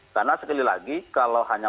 karena sekali lagi kalau hanya